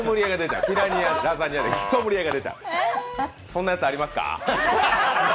そんなやつありますか？